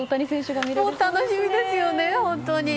もう楽しみですよね、本当に！